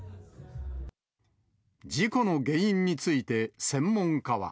事故の原因について専門家は。